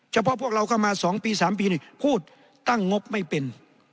เฉพาะพวกเราก็มา๒๓ปีนี่พูดตั้งงบไม่เป็น